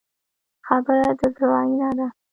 خبره د زړه آیینه ده.